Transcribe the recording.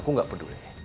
aku gak peduli